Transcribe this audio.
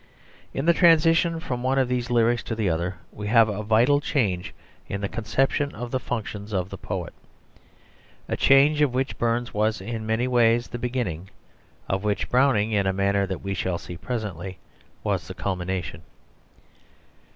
In the transition from one of these lyrics to the other, we have a vital change in the conception of the functions of the poet; a change of which Burns was in many ways the beginning, of which Browning, in a manner that we shall see presently, was the culmination.